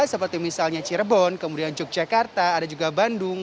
seperti misalnya cirebon kemudian yogyakarta ada juga bandung